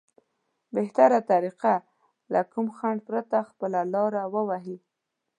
بهتره طريقه له کوم خنډ پرته خپله لاره ووهي.